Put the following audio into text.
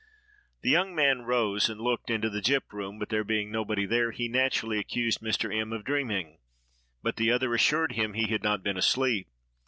The young man rose and looked into the gyp room; but, there being nobody there, he naturally accused Mr. M—— of dreaming; but the other assured him he had not been asleep.